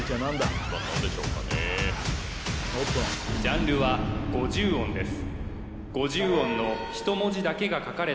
オープンジャンルは「５０音」です